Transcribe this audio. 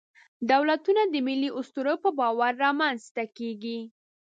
دولتونه د ملي اسطورو په باور رامنځ ته کېږي.